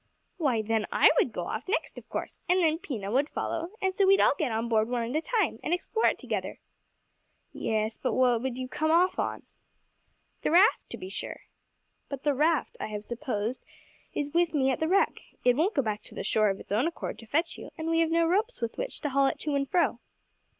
"Why, then I would go off next of course, and then Pina would follow, and so we'd all get on board one at a time, and explore it together." "Yes; but what would you come off on?" "The raft, to be sure." "But the raft, I have supposed, is with me at the wreck. It won't go back to the shore of its own accord to fetch you, and we have no ropes with which to haul it to and fro."